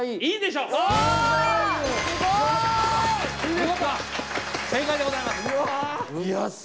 見事正解でございます。